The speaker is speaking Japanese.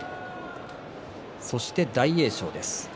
そして大栄翔です。